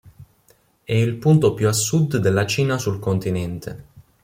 È il punto più a sud della Cina sul continente.